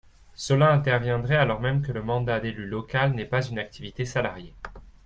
Cela interviendrait alors même que le mandat d’élu local n’est pas une activité salariée.